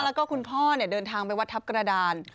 แล้วก็คุณพ่อเดินทางไปวัดทัพกระดาน